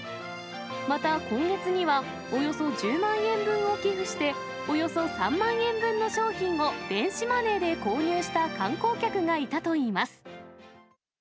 また、今月にはおよそ１０万円分を寄付して、およそ３万円分の商品を電子マネーで購入した観光客がいたといいます。